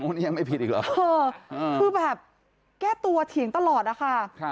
นี่ยังไม่ผิดอีกเหรอคือแบบแก้ตัวเถียงตลอดอะค่ะ